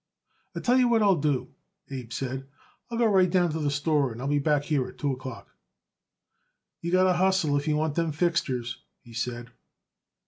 "I tell you what I'll do," Abe said. "I'll go right down to the store and I'll be back here at two o'clock." "You've got to hustle if you want them fixtures," he said.